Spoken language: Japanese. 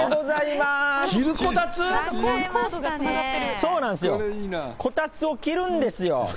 そうなんですよ、こたつをきるんですよ